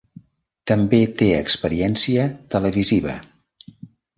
També té experiència televisiva.